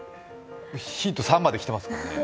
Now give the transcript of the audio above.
ヒント３まで来てますからね